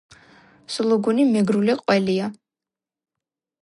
სულუგუნი მეგრული ყველია